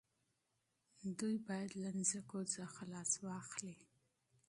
دوی باید له ځمکو څخه لاس واخلي.